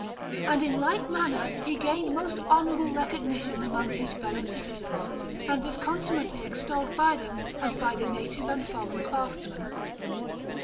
And in like manner he gained most honourable recognition among his fellow citizens, and was consummately extolled by them and by the native and foreign craftsmen.